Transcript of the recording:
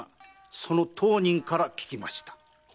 その当人から聞きました。